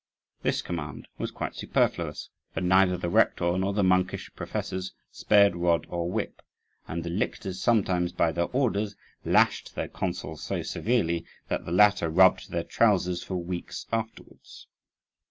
This command was quite superfluous, for neither the rector nor the monkish professors spared rod or whip; and the lictors sometimes, by their orders, lashed their consuls so severely that the latter rubbed their trousers for weeks afterwards.